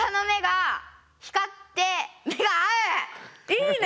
いいね！